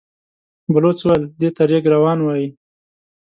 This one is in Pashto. بلوڅ وويل: دې ته رېګ روان وايي.